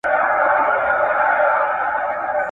بیا به ښکلی کندهار وي نه به شیخ نه به اغیار وي ..